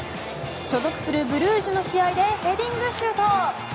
所属するブルージュの試合でヘディングシュート。